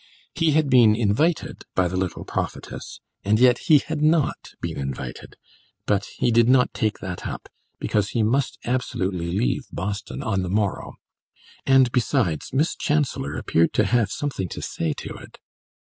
He had been invited by the little prophetess, and yet he had not been invited; but he did not take that up, because he must absolutely leave Boston on the morrow, and, besides, Miss Chancellor appeared to have something to say to it.